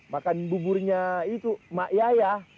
makan buburnya itu mak yaya